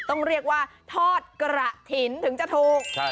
ต้องเรียกว่าทอดกระถิ่นถึงจะถูก